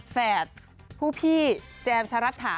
แฝดผู้พี่แจมชะรัฐา